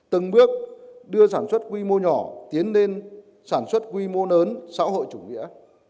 từng bước đưa sản xuất quy mô nhỏ tiến lên sản xuất quy mô lớn xã hội chủ nghĩa